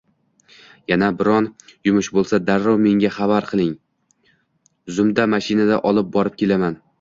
“Yana biron yumush bo’lsa, darrov menga xabar qiling, zumda mashinada olib borib kelaman.”